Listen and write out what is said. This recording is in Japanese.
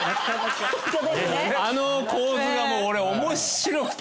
あの構図がもう俺おもしろくて。